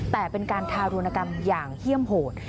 แต่เป็นการทารุณกรรมอย่างเฮี่ยมโหด